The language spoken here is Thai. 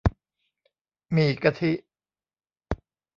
หมี่กะทิ